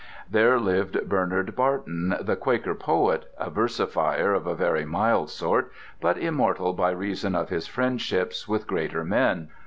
There lived Bernard Barton, "the Quaker poet," a versifier of a very mild sort, but immortal by reason of his friendships with greater men.